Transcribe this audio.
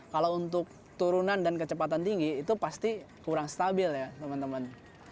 kalau untuk turunan dan kecepatan tinggi itu pasti kurang stabil ya teman teman